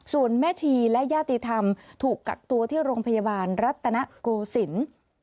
ส่วนแม่ชีและญาติธรรมถูกกักตัวที่โรงพยาบาลรัตนโกศิลป์